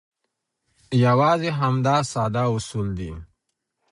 یوازې همدا ساده اصول دي.